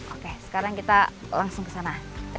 oke sekarang kita langsung kesana